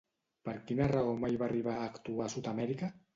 Per quina raó mai va arribar a actuar a Sud Amèrica?